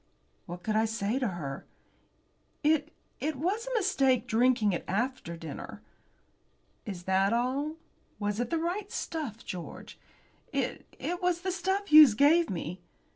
What could I say to her? "It it was a mistake drinking it after dinner." "Is that all? Was it the right stuff, George?" "It it was the stuff Hughes gave me."